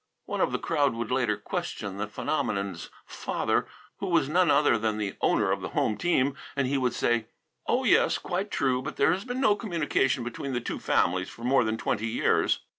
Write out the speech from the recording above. One of the crowd would later question the phenomenon's father, who was none other than the owner of the home team, and he would say, "Oh, yes, quite true, but there has been no communication between the two families for more than twenty years."